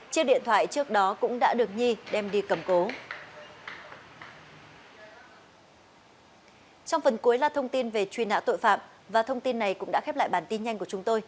chiếc điện thoại trước đó cũng đã được nhi đem đi cầm cố